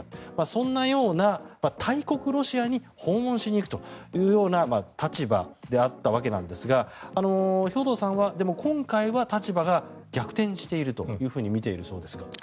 そんなような大国ロシアに訪問しに行くというような立場であったわけですが兵頭さんはでも今回は立場が逆転しているとみているそうですが。